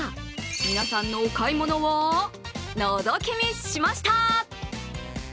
皆さんのお買い物をのぞき見しました。